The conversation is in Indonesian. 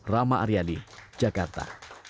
rama aryadi jakarta